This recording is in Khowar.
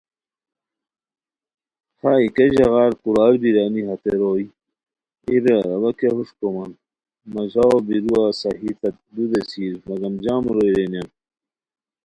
خائے کیہ ژاغار کُورار بیرانی ہتے روئے؟ ایے برار اوا کیہ ہوݰ کومان مہ ژاؤ بیروا صحیح تت لُو دیسیر مگم جم روئے رینیان